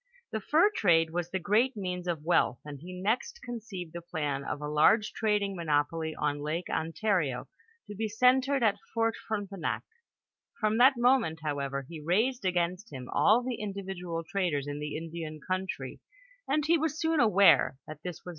The fur trade was the great means of wealth, and he next conceived the plan of a large trading monopoly on Lake Ontario, to be centred at Fort Frontenac ; from that moment, however, he raised against him all the individual traders in the Indian country, and he was soon aware that tliis was no speedy road to wealth. His